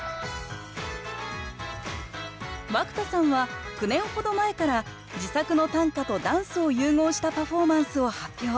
涌田さんは９年ほど前から自作の短歌とダンスを融合したパフォーマンスを発表。